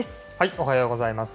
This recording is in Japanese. おはようございます。